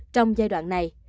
trong giai đoạn này